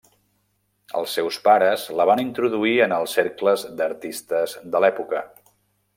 Els seus pares la van introduir en els cercles d'artistes de l'època.